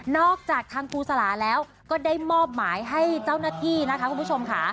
จากทางครูสลาแล้วก็ได้มอบหมายให้เจ้าหน้าที่นะคะคุณผู้ชมค่ะ